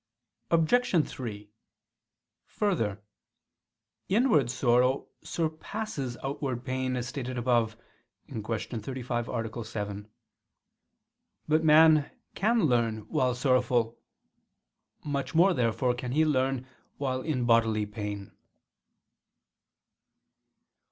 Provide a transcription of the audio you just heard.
Obj. 3: Further, inward sorrow surpasses outward pain, as stated above (Q. 35, A. 7). But man can learn while sorrowful. Much more, therefore, can he learn while in bodily pain.